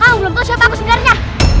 kau belum tahu siapa aku sebenarnya